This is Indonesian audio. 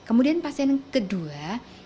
kemudian pasien kedua